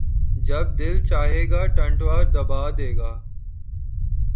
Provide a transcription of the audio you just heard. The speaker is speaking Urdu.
جب دل چاھے گا ، ٹنٹوا دبا دے گا